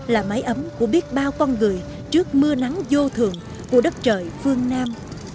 là máy ấm của biết bao con người trước mưa nắng vô thường của đất trời phương nam